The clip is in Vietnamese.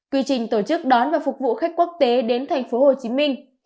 quy trình tổ chức đón và phục vụ khách quốc tế đến thành phố hồ chí minh